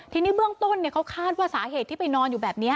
ทีนี้เบื้องต้นเขาคาดว่าสาเหตุที่ไปนอนอยู่แบบนี้